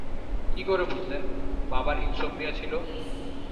কী করে বুঝলেন, বাবার ইনসমনিয়া ছিল?